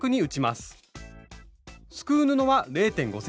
すくう布は０．５ｃｍまで。